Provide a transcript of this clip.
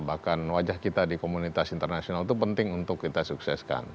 bahkan wajah kita di komunitas internasional itu penting untuk kita sukseskan